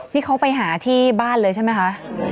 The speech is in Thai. นี่เขาไปหาที่บ้านเลยใช่ไหมคะ